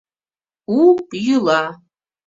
У йӱла